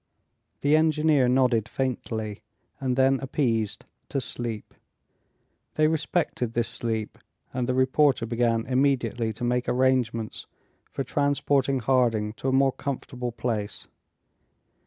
The engineer nodded faintly, and then appeared to sleep. They respected this sleep, and the reporter began immediately to make arrangements for transporting Harding to a more comfortable place.